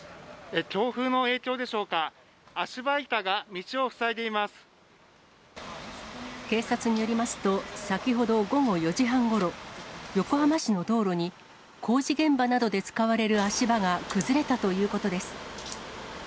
強風の影響でしょうか、警察によりますと、先ほど午後４時半ごろ、横浜市の道路に、工事現場などで使われる足場が崩れたということです。